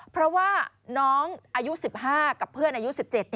เพราะว่าน้องอายุ๑๕กับเพื่อนอายุ๑๗